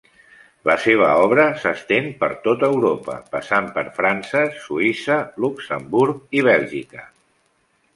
La seva obra s'estén per tot Europa, passant per França, Suïssa, Luxemburg i Bèlgica.